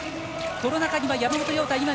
この中には山本涼太。